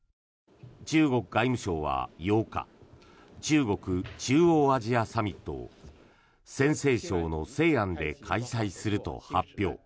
中国外務省は８日中国・中央アジアサミットを陝西省の西安で開催すると発表。